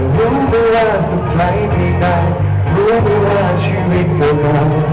หรือรู้ไม่ว่าสุขท่าชีวิตกับเรา